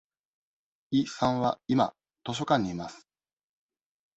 イさんは今図書館にいます。